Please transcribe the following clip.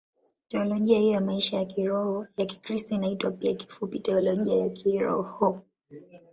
Teolojia hiyo ya maisha ya kiroho ya Kikristo inaitwa pia kifupi Teolojia ya Kiroho.